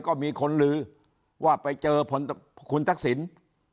ก็มีคนลือว่าไปเจอคุณทักษิณ